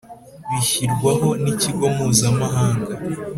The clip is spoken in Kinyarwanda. Bishyirwaho n ikigo mpuzamahanga